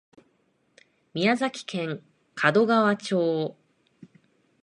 宮崎県門川町